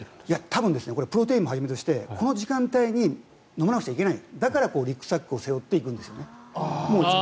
多分プロテインをはじめとしてこの時間帯に飲まなくちゃいけないだからリュックサックを背負って行くんですよね。